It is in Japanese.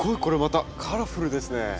これまたカラフルですね。